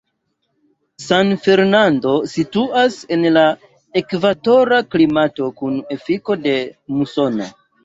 San Fernando situas en la ekvatora klimato kun efiko de musono.